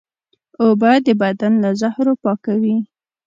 اوبه د بدن له زهرو پاکوي